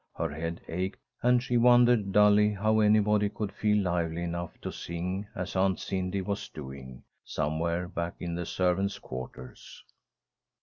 Her head ached, and she wondered dully how anybody could feel lively enough to sing as Aunt Cindy was doing, somewhere back in the servants' quarters.